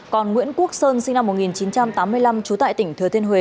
còn nguyễn quốc sơn sinh năm một nghìn chín trăm tám mươi năm trú tại tỉnh thừa thiên huế